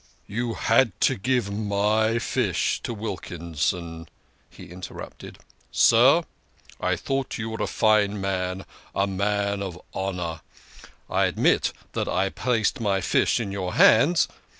" You had to give my fish to Wilkinson !" he interrupted. THE KING OF SCHNORRERS. 27 " Sir, I thought you were a fine man, a man of honour. I admit that I placed my fish in your hands.